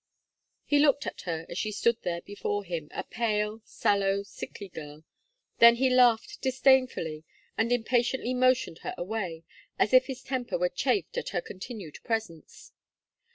He looked at her as she stood there before him, a pale, sallow, sickly girl, then he laughed disdainfully, and impatiently motioned her away, as if his temper were chafed at her continued presence.